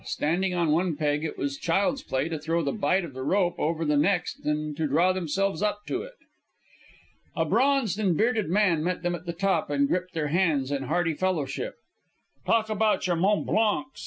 Standing on one peg it was child's play to throw the bight of the rope over the next and to draw themselves up to it. A bronzed and bearded man met them at the top and gripped their hands in hearty fellowship. "Talk about your Mont Blancs!"